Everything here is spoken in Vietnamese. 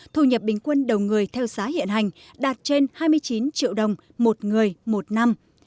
thu nhập bình quân đầu người theo giá hiện hành đạt trên hai mươi chín triệu đồng một người một năm